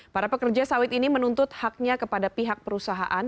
para pekerja sawit ini menuntut haknya kepada pihak perusahaan